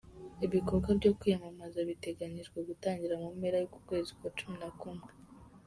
Ibikorwa byo kwiyamamaza biteganyijwe gutangira mu mpera y'uku kwezi kwa cumi na kumwe.